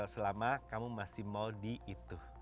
selama kamu masih mau di itu